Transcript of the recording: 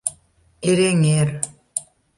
ЭРЕҤЕР